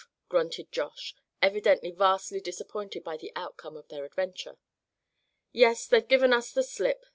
grunted Josh, evidently vastly disappointed by the outcome of their adventure. "Yes, they've given us the slip!"